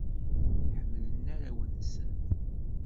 Ḥemmlen arraw-nsen.